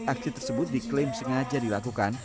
aksi tersebut diklaim sengaja dilakukan